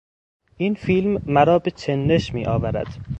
این فیلم مرا به چندش میآورد.